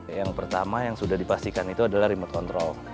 yang pertama yang sudah dipastikan itu adalah remote control